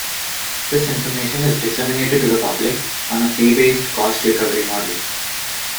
This information is disseminated to the public on a fee-based cost-recovery model.